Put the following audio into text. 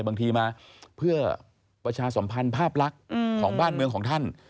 บางทีมาเพื่อประชาสมพันธ์ภาพลักษณ์ของบ้านเมืองของท่าน